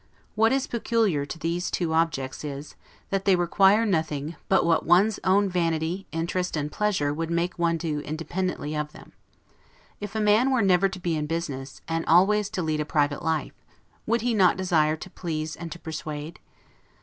What is peculiar to these two objects, is, that they require nothing, but what one's own vanity, interest, and pleasure, would make one do independently of them. If a man were never to be in business, and always to lead a private life, would he not desire to please and to persuade?